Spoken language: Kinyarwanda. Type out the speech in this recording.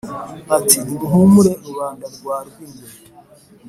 ati : nimuhumure rubanda rwa rwingwe